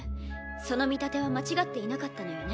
その見立ては間違っていなかったのよね。